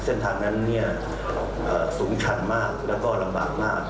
เส้นทางนั้นสูงชันมากแล้วก็ลำบากมาก